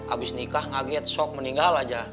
abis nikah ngaget shock meninggal aja